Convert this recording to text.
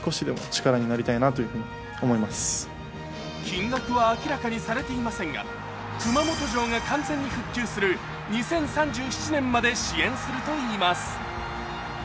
金額は明らかにされていませんが、熊本城が完全に復旧する２０３７年まで支援するといいます。